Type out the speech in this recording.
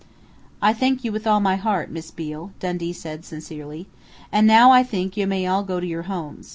"I thank you with all my heart, Miss Beale," Dundee said sincerely. "And now I think you may all go to your homes....